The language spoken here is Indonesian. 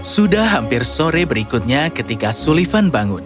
sudah hampir sore berikutnya ketika sulivan bangun